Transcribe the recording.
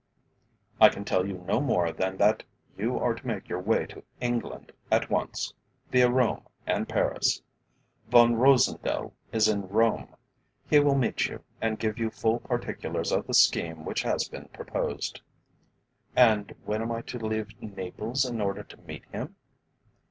"I can tell you no more than that you are to make your way to England at once, via Rome and Paris. Von Rosendell is in Rome. He will meet you, and give you full particulars of the scheme which has been proposed." "And when am I to leave Naples in order to meet him?"